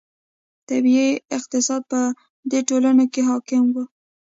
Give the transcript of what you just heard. طبیعي اقتصاد په دې ټولنو کې حاکم و.